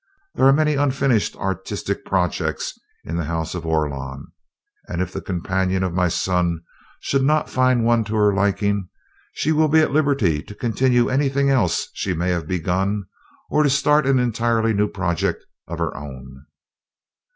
There are many unfinished artistic projects in the house of Orlon, and if the companion of my son should not find one to her liking, she will be at liberty to continue anything else she may have begun, or to start an entirely new project of her own."